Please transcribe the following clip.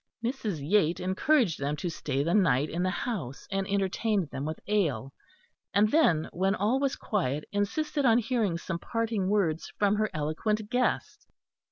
Mrs. Yate encouraged them to stay the night in the house, and entertained them with ale; and then when all was quiet, insisted on hearing some parting words from her eloquent guest.